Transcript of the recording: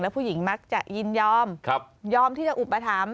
ผู้หญิงมักจะยินยอมยอมที่จะอุปถัมภ